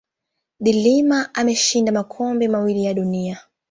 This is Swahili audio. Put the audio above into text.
de Lima ameshinda makombe mawili ya dunia